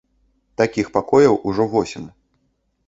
Такіх пакояў ужо восем.